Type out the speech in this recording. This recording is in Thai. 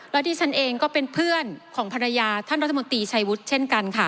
และที่ฉันเองก็เป็นเพื่อนของภรรยาท่านรัฐมนตรีชัยวุฒิเช่นกันค่ะ